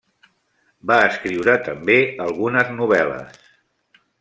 Va escriure també algunes novel·les.